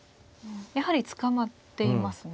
やはり捕まっていますね。